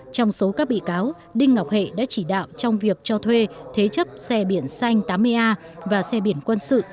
trong số các bị cáo đinh ngọc hệ đã chỉ đạo trong việc cho thuê thế chấp xe biển xanh tám mươi a và xe biển quân sự